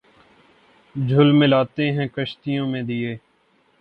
جھلملاتے ہیں کشتیوں میں دیے